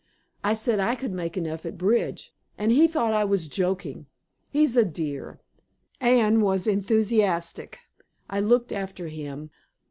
I said I could make enough at bridge, and he thought I was joking! He's a dear!" Anne was enthusiastic. I looked after him.